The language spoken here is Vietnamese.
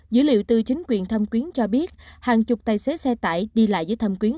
dữ liệu từ chính quyền thâm quyến cho biết hàng chục tài xế xe tải đi lại dưới thâm quyến